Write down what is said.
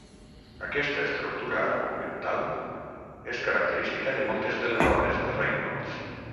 Aquesta estructura argumental és característica de moltes de les obres de Reynolds.